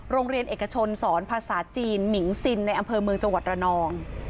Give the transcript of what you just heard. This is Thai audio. โรงเรียนเอกชนสอนภาษาจีนหมิงซินในอำเภอเมืองจังหวัดระนอง